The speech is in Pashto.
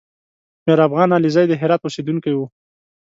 میرافغان علیزی د هرات اوسېدونکی و